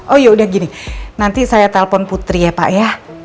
oh yaudah gini nanti saya telpon putri ya pak ya